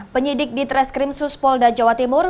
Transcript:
penyidik di treskrim suspolda jawa timur